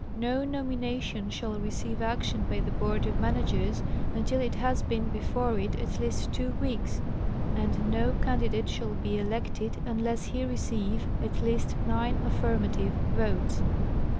No nomination shall receive action by the Board of Managers until it has been before it at least two weeks, and no candidate shall be elected unless he receive at least nine affirmative votes.